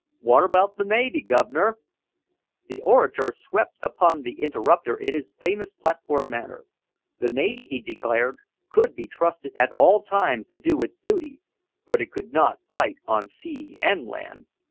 "What about the Navy, guv'nor?" The orator swept upon the interrupter in his famous platform manner. The Navy, he declared, could be trusted at all times to do its duty, but it could not fight on sea and land.